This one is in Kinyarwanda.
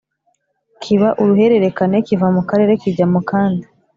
kiba uruhererekane kiva mu karere kijya mu kandi,